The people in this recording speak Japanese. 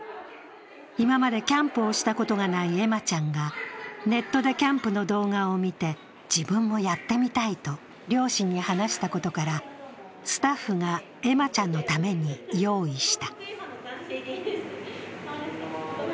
今までキャンプをしたことがない恵麻ちゃんがネットでキャンプの動画を見て自分もやってみたいと両親に話したことからスタッフが恵麻ちゃんのために用意した。